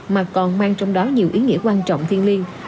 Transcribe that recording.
mà còn mang trong đó nhiều ý nghĩa quan trọng thiên liêng